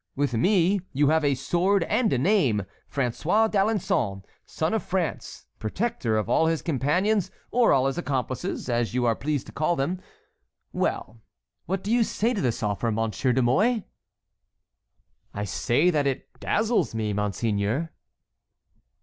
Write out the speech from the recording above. With me, you have a sword and a name, François d'Alençon, son of France, protector of all his companions or all his accomplices, as you are pleased to call them. Well, what do you say to this offer, Monsieur de Mouy?" "I say that it dazzles me, monseigneur."